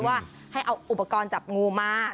ว่าให้เอาอุปกรณ์จับงูมา